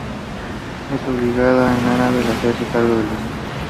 Esto obliga a Annabel a hacerse cargo de las niñas.